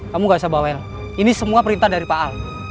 kamu gak usah bawain ini semua perintah dari pak al